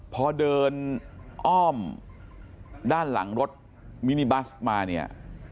พอเดินอ้อมด้านหลังรถมินิบัสมาเนี่ย